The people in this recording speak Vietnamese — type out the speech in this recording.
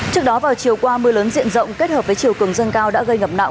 trước đó vào chiều qua mưa lớn diện rộng kết hợp với chiều cường dâng cao đã gây ngập nặng